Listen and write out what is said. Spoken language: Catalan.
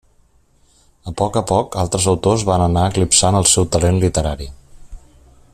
A poc a poc altres autors van anar eclipsant el seu talent literari.